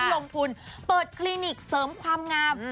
ลงทุนเปิดคลินิกเสริมความงาม